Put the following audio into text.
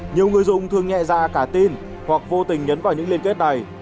nhiều người dùng thường nhẹ dạ cả tin hoặc vô tình nhấn vào những liên kết này